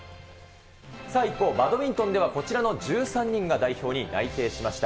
さあ、一方、バドミントンではこちらの１３人が代表に内定しました。